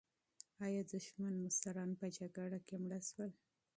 ایا دښمن مشران په جګړه کې مړه شول؟